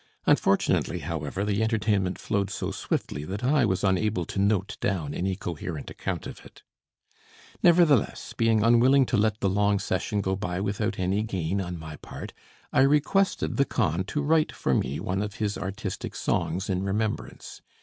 Unfortunately, however, the entertainment flowed so swiftly that I was unable to note down any coherent account of it. Nevertheless, being unwilling to let the long session go by without any gain on my part, I requested the Khan to write for me one of his artistic songs in remembrance.